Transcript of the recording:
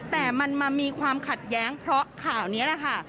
แต่มันมามีความขัดแย้งเพราะข่าวนี้แหละค่ะ